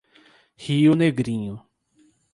Rio Negrinho